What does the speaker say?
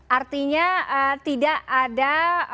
artinya tidak ada